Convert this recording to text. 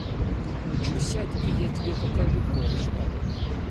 Лучше сядь, и я тебе покажу кое-что.